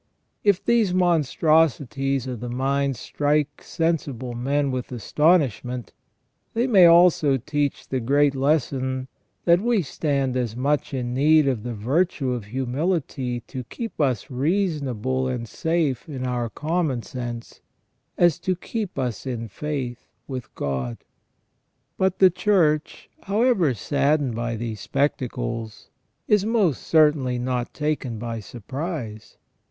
If these monstrosities of the mind strike sensible men with astonish ment, they may also teach the great lesson, that we stand as much in need of the virtue of humility to keep us reasonable and safe in our common sense, as to keep us in faith with God. But the Church, however saddened by these spectacles, is most certainly not taken by surprise.